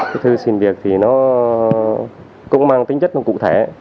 cái thư xin việc thì nó cũng mang tính chất nó cụ thể